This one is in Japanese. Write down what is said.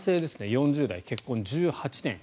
４０代、結婚１８年。